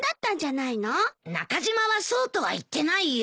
中島はそうとは言ってないよ。